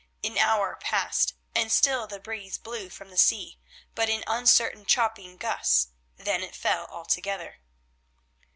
An hour passed, and still the breeze blew from the sea, but in uncertain chopping gusts. Then it fell altogether.